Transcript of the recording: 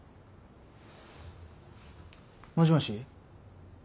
もしもし。